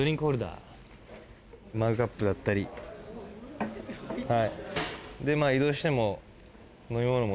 マグカップだったりはい。